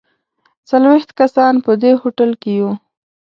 څلوېښت کسان په دې هوټل کې یو.